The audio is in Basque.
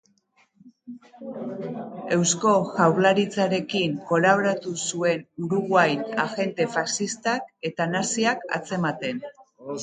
Eusko Jaurlaritzarekin kolaboratu zuen Uruguain agente faxistak eta naziak atzematen.